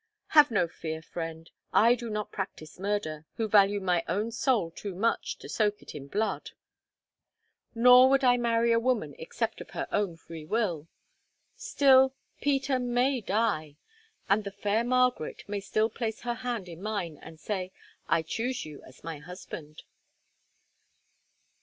Have no fear, friend, I do not practise murder, who value my own soul too much to soak it in blood, nor would I marry a woman except of her own free will. Still, Peter may die, and the fair Margaret may still place her hand in mine and say, 'I choose you as my husband.